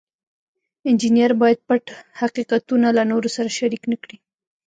انجینر باید پټ حقیقتونه له نورو سره شریک نکړي.